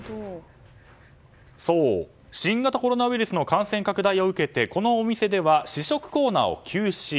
そう、新型コロナウイルスの感染拡大を受けてこのお店では試食コーナーを休止。